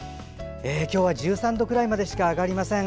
今日は１３度くらいまでしか上がりません。